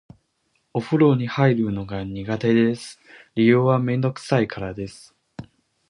お風呂に入るのが苦手です。理由はめんどくさいからです。